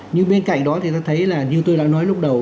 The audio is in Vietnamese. nhưng bên cạnh đó thì ta thấy là như tôi đã nói lúc đầu